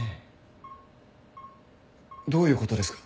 どういう事ですか？